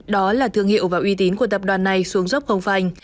đó là thương hiệu và uy tín của tập đoàn này xuống dốc không phanh